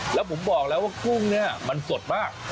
แล้วผมบอกแล้วว่ากุ้งเนี่ยมันสดมาก